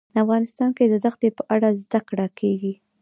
افغانستان کې د دښتې په اړه زده کړه کېږي.